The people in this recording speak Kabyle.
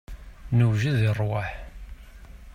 Newjed i rrwaḥ.